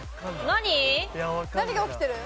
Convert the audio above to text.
何が起きてる？